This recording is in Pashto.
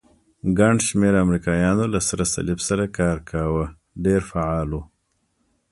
ګڼ شمېر امریکایانو له سرې صلیب سره کار کاوه، ډېر فعال وو.